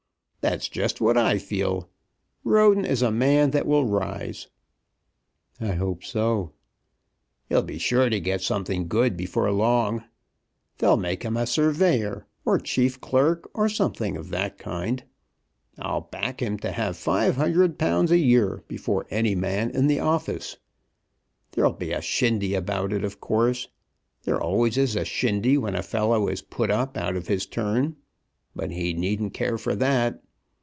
"That's just what I feel. Roden is a man that will rise." "I hope so." "He'll be sure to get something good before long. They'll make him a Surveyor, or Chief Clerk, or something of that kind. I'll back him to have £500 a year before any man in the office. There'll be a shindy about it, of course. There always is a shindy when a fellow is put up out of his turn. But he needn't care for that.